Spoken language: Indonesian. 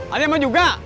ada mau juga